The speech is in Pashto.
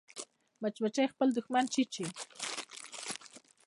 مچمچۍ خپل دښمن چیچي